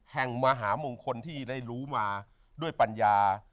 แห่งมหามงคลที่ได้รู้มาด้วยปัญญา